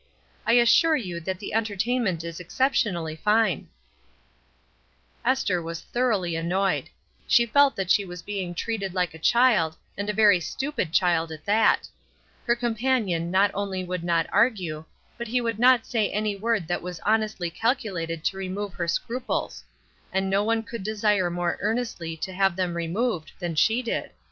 I assure you that the entertainment is excep tionally fine." 150 ESTER RIED'S NAMESAKE Esther was thoroughly annoyed. She felt that she was being treated like a child, and a very stupid child at that. Her companion not only would not argue, but he would not say any word that was honestly calculated to re move her scruples; and no one could desire more earnestly to have them removed than she did.